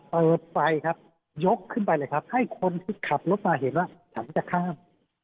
เปิดไปครับยกขึ้นไปเลยให้คนที่ขับรถมาเห็นขัมจะข้าม